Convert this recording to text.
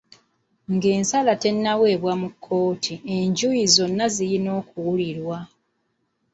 Ng'ensala tennaweebwa mu kkooti, enjuyi zonna zirina okuwulirwa.